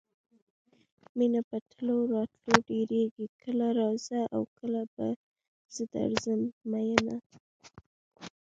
مینه په تلو راتلو ډېرېږي کله راځه او کله به زه درځم میینه.